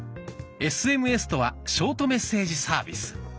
ＳＭＳとはショートメッセージサービス。